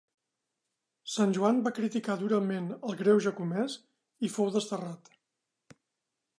Sant Joan va criticar durament el greuge comès i fou desterrat.